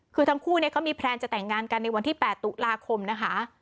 คือทั้งคู่เนี่ยเขามีแพลนจะแต่งงานกันในวันที่๘ตุลาคมนะคะ